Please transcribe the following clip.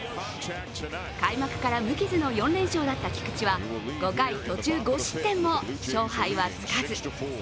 開幕から無傷の４連勝だった菊池は５回途中５失点も勝敗はつかず。